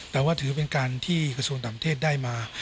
แต่ว่าถือเป็นการที่กระทรวงต่างประเทศได้มา